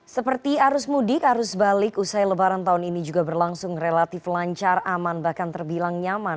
seperti arus mudik arus balik usai lebaran tahun ini juga berlangsung relatif lancar aman bahkan terbilang nyaman